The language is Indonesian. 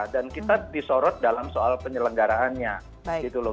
kita disorot dalam soal penyelenggaraannya gitu loh